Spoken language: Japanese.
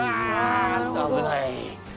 あ危ない。